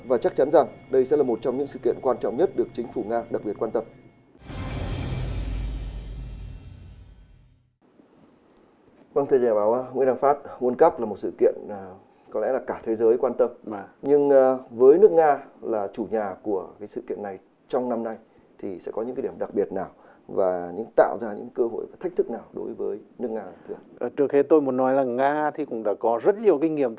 và chắc chắn rằng đây sẽ là một trong những sự kiện quan trọng nhất được chính phủ nga đặc biệt quan tâm